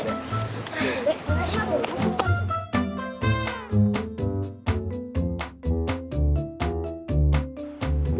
eh kasian buj